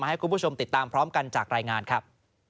ให้คุณผู้ชมติดตามพร้อมกันจากรายงานครับ